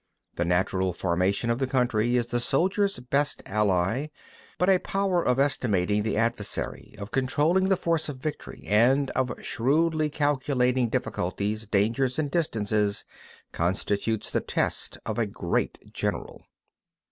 21. The natural formation of the country is the soldier's best ally; but a power of estimating the adversary, of controlling the forces of victory, and of shrewdly calculating difficulties, dangers and distances, constitutes the test of a great general.